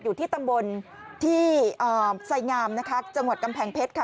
อยู่ที่ตำบลที่ไสงามนะคะจังหวัดกำแพงเพชรค่ะ